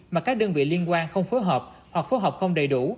mà các đơn vị liên quan không phối hợp hoặc phối hợp không đầy đủ